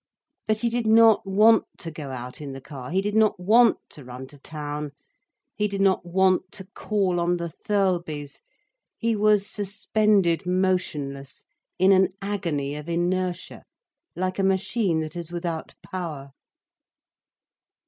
But he did not want to go out in the car, he did not want to run to town, he did not want to call on the Thirlbys. He was suspended motionless, in an agony of inertia, like a machine that is without power.